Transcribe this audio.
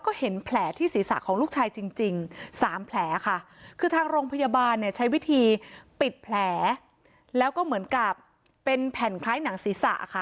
ก็เห็นแผลที่ศีรษะของลูกชายจริงจริงสามแผลค่ะคือทางโรงพยาบาลเนี่ยใช้วิธีปิดแผลแล้วก็เหมือนกับเป็นแผ่นคล้ายหนังศีรษะค่ะ